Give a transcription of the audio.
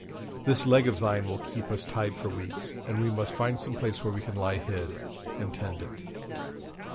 This leg of thine will keep us tied for weeks, and we must find some place where we can lie hid, and tend it.